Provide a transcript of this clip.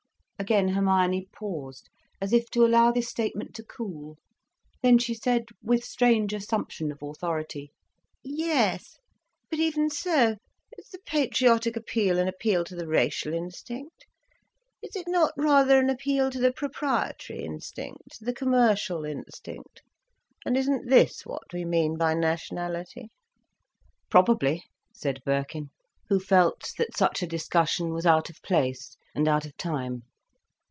Again Hermione paused, as if to allow this statement to cool. Then she said with strange assumption of authority: "Yes, but even so, is the patriotic appeal an appeal to the racial instinct? Is it not rather an appeal to the proprietory instinct, the commercial instinct? And isn't this what we mean by nationality?" "Probably," said Birkin, who felt that such a discussion was out of place and out of time.